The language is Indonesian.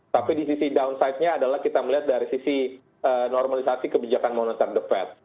tapi di sisi downside nya adalah kita melihat dari sisi normalisasi kebijakan moneter the fed